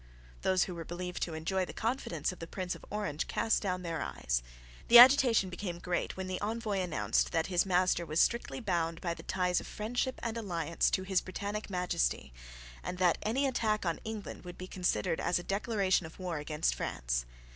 Those who were believed to enjoy the confidence of the Prince of Orange cast down their eyes. The agitation became great when the Envoy announced that his master was strictly bound by the ties of friendship and alliance to His Britannic Majesty, and that any attack on England would be considered as a declaration of war against France.